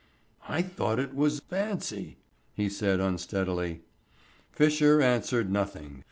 "I thought it was fancy," he said unsteadily. Fisher answered nothing.